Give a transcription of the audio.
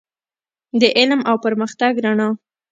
د علم او پرمختګ رڼا.